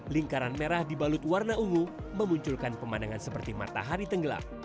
lingkaran merah dibalut warna ungu memunculkan pemandangan seperti matahari tenggelam